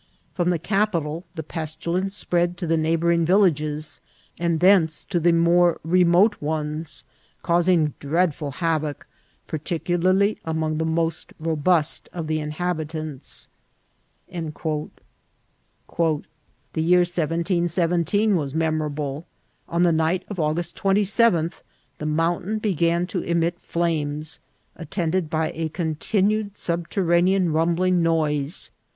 ..." Prom the capital the pes tilence spread to the neighbouring villages, and thence to the more remote ones, causing dreadful havoc, par ticularly among the most robust of the inhabitants." «< The year 1717 was memorable ; on the night of August 27th the mountain began to emit flames, at tended by a continued subterranean rumbling noise.